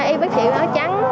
y bác sĩ bảo trắng